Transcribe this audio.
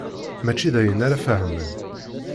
Mačči d ayen ara fehmen.